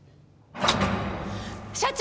社長！